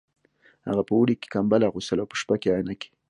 هغه په اوړي کې کمبله اغوسته او په شپه کې عینکې